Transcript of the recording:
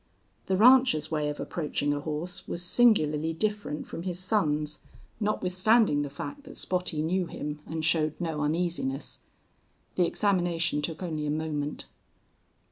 The rancher's way of approaching a horse was singularly different from his son's, notwithstanding the fact that Spottie knew him and showed no uneasiness. The examination took only a moment.